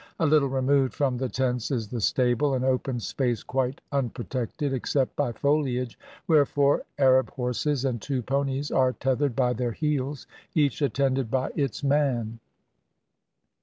A little removed from the tents is the stable, an open space quite unpro tected, except by foliage, where four Arab horses and two ponies are tethered by their heels, each attended by its man.